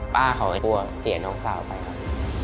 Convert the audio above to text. ป๊าเขาก็กลัวเสียน้องสาวไปครับ